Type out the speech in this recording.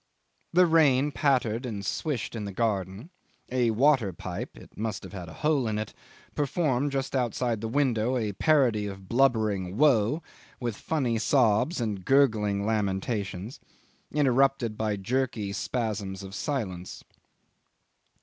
... The rain pattered and swished in the garden; a water pipe (it must have had a hole in it) performed just outside the window a parody of blubbering woe with funny sobs and gurgling lamentations, interrupted by jerky spasms of silence.